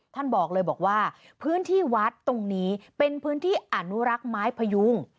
ท่านบอกเลยบอกว่าพื้นที่วัดตรงนี้เป็นพื้นที่อนุรักษ์ไม้พยุง